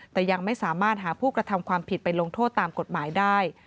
แต่ยังไม่สามารถหาผู้กระทำความผิดไปลงโทษตามกฎหมายได้